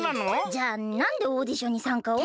じゃあなんでオーディションにさんかを？